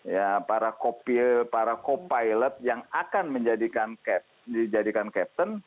ya para co pilot yang akan menjadikan captain